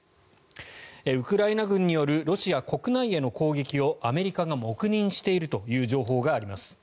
ウクライナ軍によるロシア国内への攻撃をアメリカが黙認しているという情報があります。